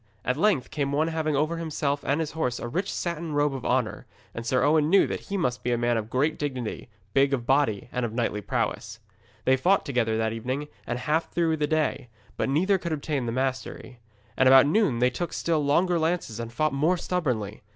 At length came one having over himself and his horse a rich satin robe of honour, and Sir Owen knew that he must be a man of great dignity, big of body and of knightly prowess. They fought together that evening and half through the next day, but neither could obtain the mastery. And about noon they took still stronger lances and fought most stubbornly.